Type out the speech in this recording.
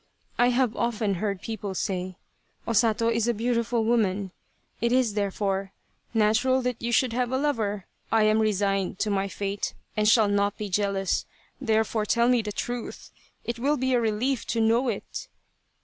I have often heard people say, ' O Sato is a beautiful woman !' It is, therefore, natural that you should have a lover. I am resigned to my fate and shall not be jealous, therefore tell me the truth it will be a relief to know it."